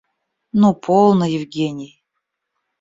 Ну полно, Евгений.